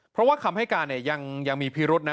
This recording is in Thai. เพราะว่าคำให้การยังมีพิรุษนะ